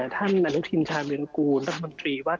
ท่านอนุทิริชามือนกลูรัฐมนตรีว่า